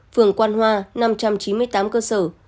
phường quan hoa năm trăm chín mươi tám cơ sở